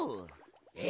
え！